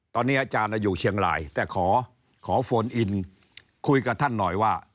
ตอนนี้อาจารย์อยู่เชียงรายแต่ขอโฟนอินคุยกับท่านหน่อยว่า